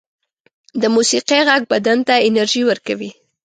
د موسيقۍ غږ بدن ته انرژی ورکوي